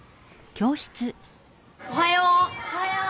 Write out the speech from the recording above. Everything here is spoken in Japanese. おはよう。